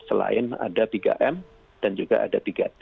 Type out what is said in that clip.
selain ada tiga m dan juga ada tiga t